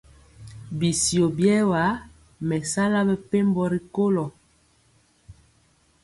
Ɓisio ɓiɛwa me sala mɛpembo rikolo.